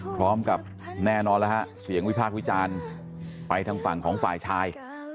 พร้อมกับแน่นอนแล้วฮะเสียงวิพากษ์วิจารณ์ไปทางฝั่งของฝ่ายชาย